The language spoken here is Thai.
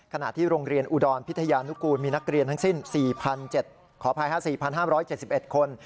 ขณะที่โรงเรียนอุดรธานีพิทยานุกูลมีนักเรียนทั้งสิ้น๔๕๗๑คน